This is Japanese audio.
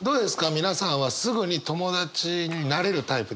皆さんはすぐに友達になれるタイプですか？